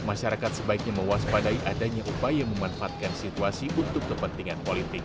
masyarakat sebaiknya mewaspadai adanya upaya memanfaatkan situasi untuk kepentingan politik